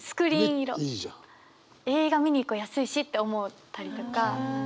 映画見に行こう安いしって思ったりとか。